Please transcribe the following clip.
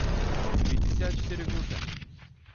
пятьдесят четыре груши